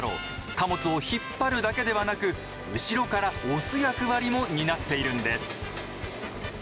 貨物を引っ張るだけではなく後ろから押す役割も担っているんです。